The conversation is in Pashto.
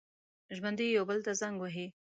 ژوندي یو بل ته زنګ وهي